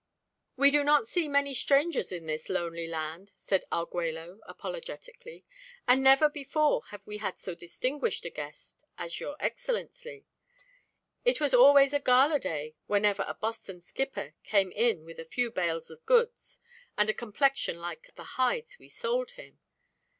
"We do not see many strangers in this lonely land," said Arguello apologetically. "And never before have we had so distinguished a guest as your excellency. It was always a gala day when ever a Boston skipper came in with a few bales of goods and a complexion like the hides we sold him.